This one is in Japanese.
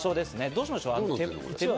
どうしましょうか？